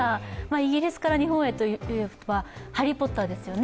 イギリスから日本へといえば、「ハリー・ポッター」ですよね。